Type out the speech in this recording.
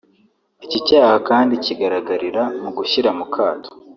Iki cyaha kandi kigaragarira mu gushyira mu kato